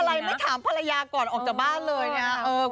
อะไรไม่ถามภรรยาก่อนออกจากบ้านเลยนะครับ